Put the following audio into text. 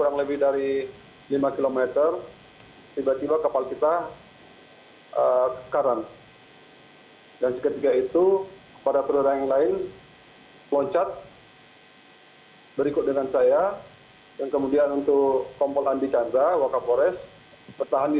dan saat ini kabit humas poldasu rinaginti menyatakan diduga kapal speedboat itu tenggelam setelah menabrak tunggul kayu